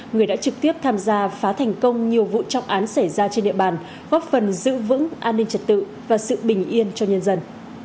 người đã trực tiếp tham gia phá thành công nhiều vụ trọng án xảy ra trên địa bàn góp phần giữ vững an ninh trật tự và sự bình yên cho nhân dân